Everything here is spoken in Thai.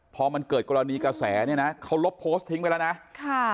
พอมันเกิดกรณีกระแสเนี่ยนะเขาลบโพสต์ทิ้งไปแล้วนะค่ะ